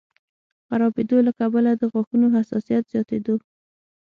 خرابېدو له کبله د غاښونو حساسیت زیاتېدو